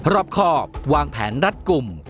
รอบครอบวางแผนรัดกลุ่ม